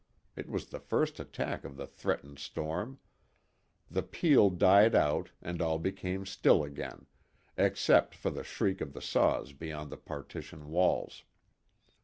It was the first attack of the threatened storm. The peal died out and all became still again, except for the shriek of the saws beyond the partition walls.